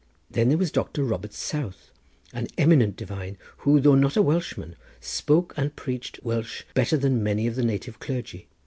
Then there was Doctor Robert South, an eminent divine, who though not a Welshman spoke and preached Welsh better than many of the native clergy.